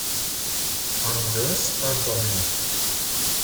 An Deuce 'n Domino.